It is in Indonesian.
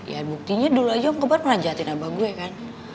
ya buktinya dulu aja om kobar pernah jahatin abah gue kan